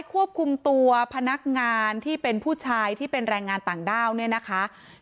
ควบคุมตัวพนักงานที่เป็นผู้ชายที่เป็นแรงงานต่างด้าวเนี่ยนะคะ